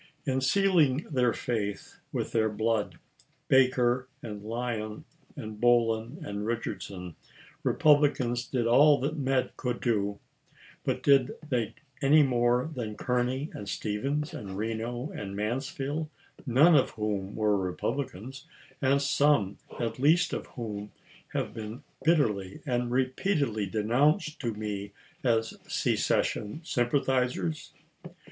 In sealing their faith with their blood, Baker, and Lyon, and Bohlen, and Richardson, Republicans, did all that men could do ; but did they any more than Kearny, and Stevens, and Reno, and Mansfield, none of whom were Republicans, and some at least of whom have been bitterly and repeatedly denounced to me as secession sympathizers